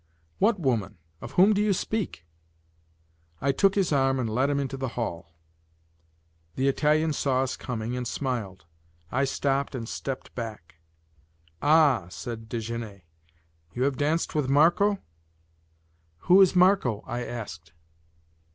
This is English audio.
"What woman? Of whom do you speak?" I took his arm and led him into the hall. The Italian saw us coming and smiled. I stopped and stepped back. "Ah!" said Desgenais, "you have danced with Marco?" "Who is Marco?" I asked.